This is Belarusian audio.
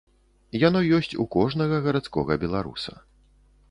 Яно ёсць у кожнага гарадскога беларуса.